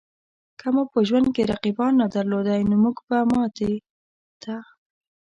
که مو په ژوند کې رقیبان نه درلودای؛ نو مونږ به ماتې ته